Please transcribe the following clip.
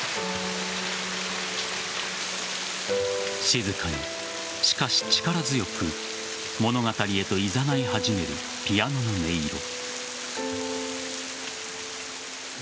静かに、しかし力強く物語へといざない始めるピアノの音色。